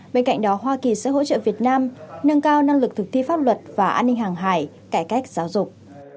bên cạnh đó hoa kỳ sẽ hỗ trợ việt nam nâng cao năng lực thực thi pháp luật và an ninh hàng hải cải cách giáo dục